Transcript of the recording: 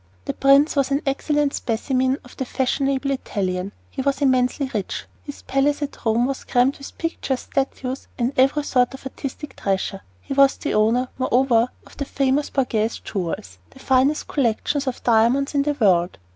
The prince was an excellent specimen of the fashionable Italian. He was immensely rich. His palace at Rome was crammed with pictures, statues, and every sort of artistic treasure. He was the owner, moreover, of the famous Borghese jewels, the finest collection of diamonds in the world.